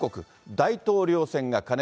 大統領選が過熱。